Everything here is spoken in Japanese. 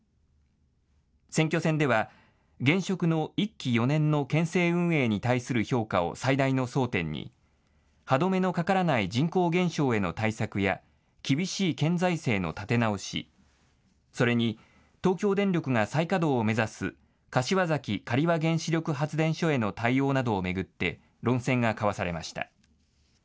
選挙戦では、現職の１期４年の県政運営に対する評価を最大の争点に、歯止めのかからない人口減少への対策や、厳しい県財政の立て直し、それに東京電力が再稼働を目指す、柏崎刈羽原子力発電所への対応などを巡って、論戦が交わされました。